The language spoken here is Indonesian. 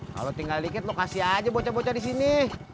kalau tinggal dikit lo kasih aja bocah bocah di sini